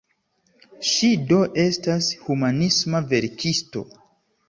Ŝi do estas humanisma verkisto.